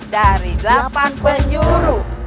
dari delapan penjuru